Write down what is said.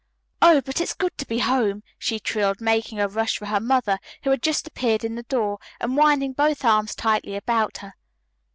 "Oh, but it's good to be home!" she trilled, making a rush for her mother, who had just appeared in the door, and winding both arms tightly about her.